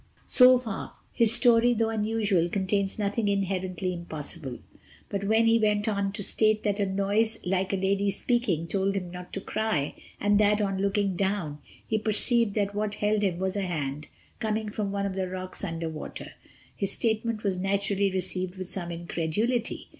So far his story, though unusual, contains nothing inherently impossible. But when he went on to state that a noise "like a lady speaking" told him not to cry, and that, on looking down, he perceived that what held him was a hand "coming from one of the rocks under water," his statement was naturally received with some incredulity.